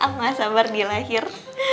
aku gak sabar di lahir